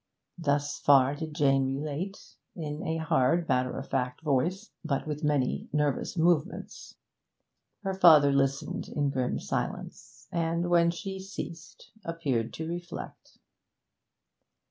Thus far did Jane relate, in a hard matter of fact voice, but with many nervous movements. Her father listened in grim silence, and, when she ceased, appeared to reflect.